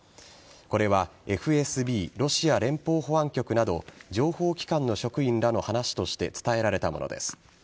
これはＦＳＢ＝ロシア連邦保安局など情報機関の職員らの話として伝えられたものです。